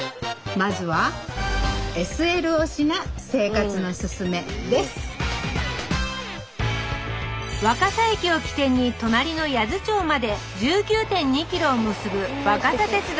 まずは若桜駅を起点に隣の八頭町まで１９．２キロを結ぶ若桜鉄道。